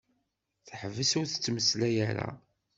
Teḥbes ur tettmeslay ara.